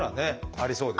ありそうです！